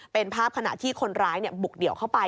เป็นภาพขณะที่คนร้ายบุกเดี่ยวเข้าไป